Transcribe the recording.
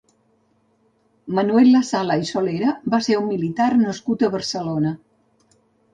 Manuel Lassala i Solera va ser un militar nascut a Barcelona.